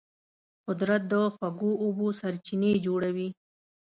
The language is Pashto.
قدرت د خوږو اوبو سرچینې جوړوي.